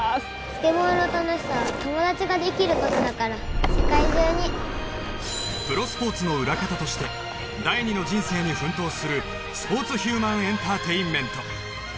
スケボーの楽しさは友達ができることだから世界中にプロスポーツの裏方として第２の人生に奮闘するスポーツヒューマンエンターテインメント